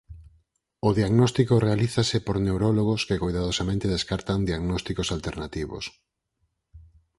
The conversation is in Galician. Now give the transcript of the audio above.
O diagnóstico realízase por neurólogos que coidadosamente descartan diagnósticos alternativos.